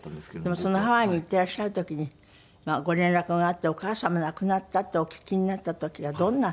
でもそのハワイに行ってらっしゃる時にご連絡があって「お母様亡くなった」ってお聞きになった時はどんな？